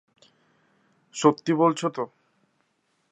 সত্যি বলছো তো?